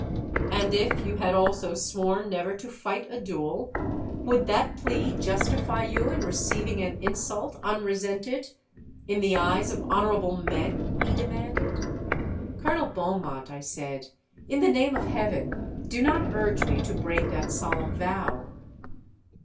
'—'And if you had also sworn never to fight a duel, would that plea justify you in receiving an insult unresented, in the eyes of honourable men?' he demanded.—'Colonel Beaumont,' I said, 'in the name of heaven do not urge me to break that solemn vow!'